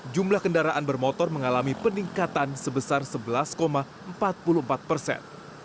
jumlah kendaraan bermotor mengalami peningkatan sebesar sebelas empat puluh empat persen